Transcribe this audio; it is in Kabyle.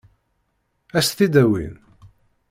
Ad s-t-id-awin?